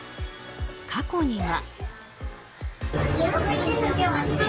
過去には。